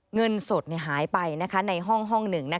เงินสดหายไปในห้องหนึ่ง